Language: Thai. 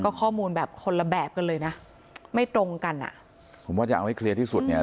ข้อมูลแบบคนละแบบกันเลยนะไม่ตรงกันอ่ะผมว่าจะเอาให้เคลียร์ที่สุดเนี่ย